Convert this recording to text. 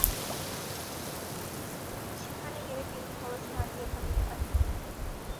সেখানে গেলে তিনি খরচ না দিয়া থাকিতে পারিবেন না।